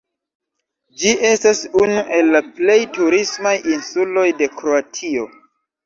Ĝi estas unu el la plej turismaj insuloj de Kroatio.